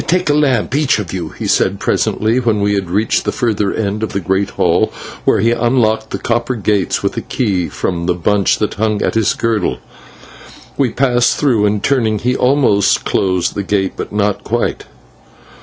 "Take a lamp, each of you," he said presently, when we had reached the further end of the great hall, where he unlocked the copper gates with a key from the bunch that hung at his girdle. We passed though, and, turning, he almost closed the gate, but not quite.